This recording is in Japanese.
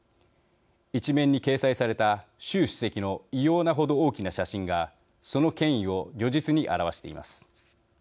一面に掲載された習主席の異様なほど大きな写真がその権威を如実に表しています。